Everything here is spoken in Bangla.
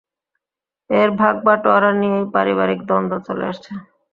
এর ভাগ বাঁটোয়ারা নিয়েই পারিবারিক দ্বন্দ্ব চলে আসছে।